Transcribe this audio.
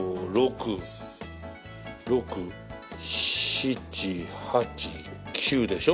６７８９でしょ。